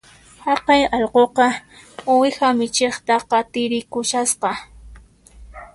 Haqay allquqa uwiha michiqta qatirikushasqa